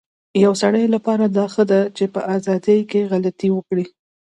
يو سړي لپاره دا ښه ده چي په ازادی کي غلطي وکړی